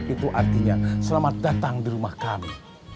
itu artinya selamat datang di rumah kami